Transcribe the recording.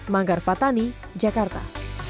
manggar fatani jakarta